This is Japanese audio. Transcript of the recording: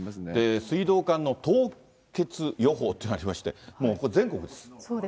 水道管の凍結予報というのがありまして、もうこれ全国です。